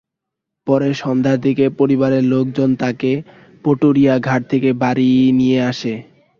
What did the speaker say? পরে সন্ধ্যার দিকে পরিবারের লোকজন তাকে পাটুরিয়া ঘাট থেকে বাড়ি নিয়ে আসে।